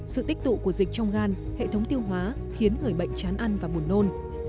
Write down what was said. sự tích tụ của dịch trong gan hệ thống tiêu hóa khiến người bệnh chán ăn và buồn nôn